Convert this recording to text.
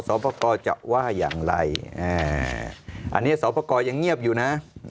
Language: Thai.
สอปกรจะว่าอย่างไรอันนี้สอปกรยังเงียบอยู่นะ